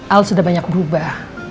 al sudah banyak berubah